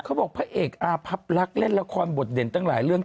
เขาบอกพระเอกอาภัพรักรรกษ์เล่นละครบทเด็นตั้งหลายเรื่อง